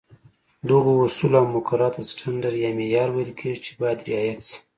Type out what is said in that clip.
دغو اصولو او مقرراتو ته سټنډرډ یا معیار ویل کېږي، چې باید رعایت شي.